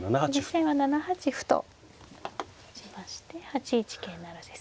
実戦は７八歩と打ちまして８一桂成ですね。